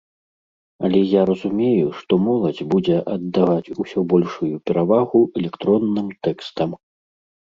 Але я разумею, што моладзь будзе аддаваць усё большую перавагу электронным тэкстам.